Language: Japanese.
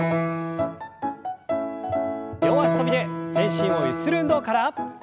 両脚跳びで全身をゆする運動から。